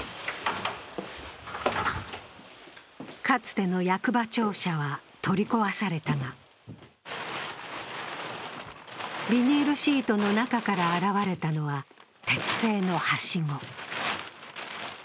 かつての役場庁舎は取り壊されたがビニールシートの中から現れたのは鉄製のはしご。